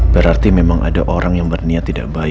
berarti memang ada orang yang berniat tidak baik